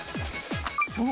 ［そう。